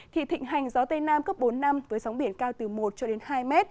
thì thịnh hành gió tây nam cấp bốn năm với sóng biển cao từ một hai m